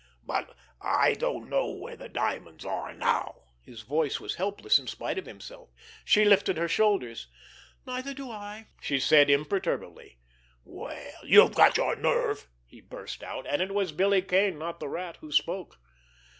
"But I don't know where the diamonds are now!" His voice was helpless in spite of himself. She lifted her shoulders. "Neither do I," she said imperturbably. "Well, you've got your nerve!" he burst out—and it was Billy Kane, not the Rat, who spoke.